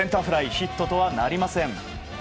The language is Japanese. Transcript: ヒットとはなりません。